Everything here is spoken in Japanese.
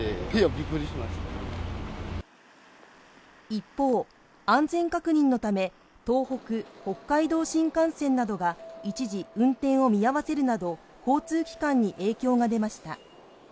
一方安全確認のため東北・北海道新幹線などが一時運転を見合わせるなど交通機関に影響が出ました